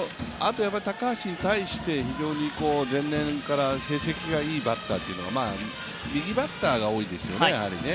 高橋に対して前年から成績がいいバッターというのは右バッターが多いですよね。